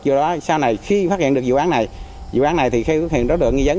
do đó sau này khi phát hiện được vụ án này dự án này thì khi phát hiện đối tượng nghi dấ